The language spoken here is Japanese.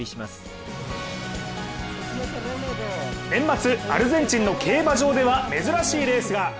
年末、アルゼンチンの競馬場では珍しいレースが。